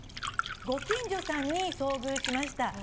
ご近所さんに遭遇しました。